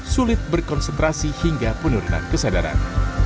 sulit berkonsentrasi hingga penurunan kesadaran